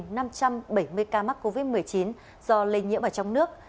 tổng cộng một năm trăm bảy mươi ca mắc covid một mươi chín do lây nhiễm ở trong nước